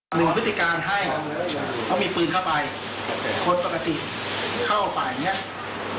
หนึ่งวิธีการให้ต้องมีปืนเข้าไปคนปกติเข้าไปเนี่ย